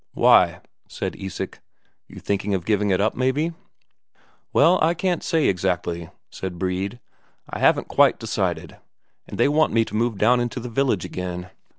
"Why?" said Isak. "You thinking of giving it up, maybe?" "Well, I can't say exactly," said Brede. "I haven't quite decided. They want me to move down into the village again."